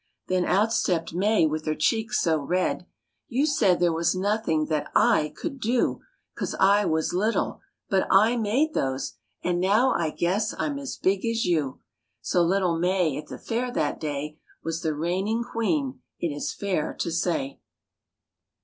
Then out stepped May, with her cheeks so red: "You said there was nothing that I could do, 'Cause I was little; but I made those, And now, I guess, I'm as big as you!" So little May at the fair that day Was the reigning queen, it is fair to say.